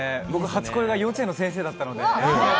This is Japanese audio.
初恋が幼稚園の先生だったので。